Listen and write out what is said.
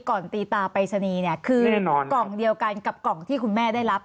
ตีตาปริศนีย์เนี่ยคือกล่องเดียวกันกับกล่องที่คุณแม่ได้รับ